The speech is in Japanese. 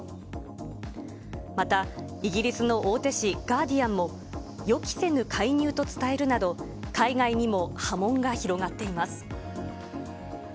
またイギリスの大手紙、ガーディアンも、予期せぬ介入と伝えるなど、海外にも波紋が広がっています。